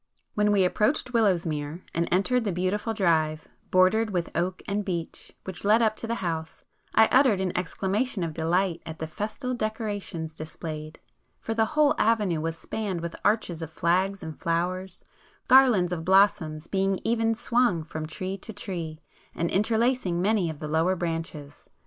When we approached Willowsmere, and entered the beautiful drive, bordered with oak and beech, which led up to the house, I uttered an exclamation of delight at the festal decorations displayed, for the whole avenue was spanned with arches of flags and flowers, garlands of blossoms being even swung from tree to tree, and interlacing many of the lower branches.